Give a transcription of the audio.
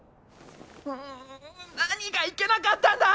うう何がいけなかったんだ！